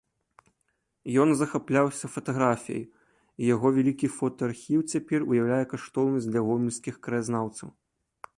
Ён захапляўся фатаграфіяй і яго вялікі фотаархіў цяпер уяўляе каштоўнасць для гомельскіх краязнаўцаў.